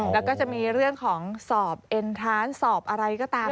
แล้วก็จะมีเรื่องของสอบเอ็นทานสอบอะไรก็ตาม